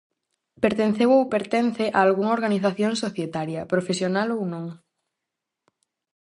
Pertenceu ou pertence a algunha organización societaria, profesional ou non?